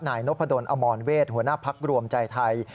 นายนพดลอมรเวศหัวหน้าพักรวมใจไทย